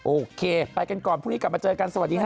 โอเคไปกันก่อนพรุ่งนี้กลับมาเจอกันสวัสดีค่ะ